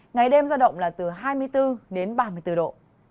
ngày đêm giao động là từ hai mươi bốn đến ba mươi bốn độ